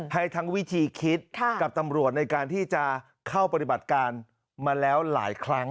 ให้ทั้งวิธีคิดกับตำรวจในการที่จะเข้าปฏิบัติการมาแล้วหลายครั้ง